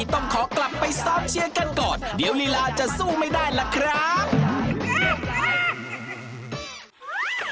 โยกยายโยกยายโยกยายปันขาย